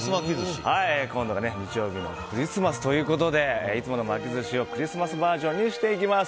今度の日曜日がクリスマスということでいつもの巻きずしをクリスマスバージョンにしていきます。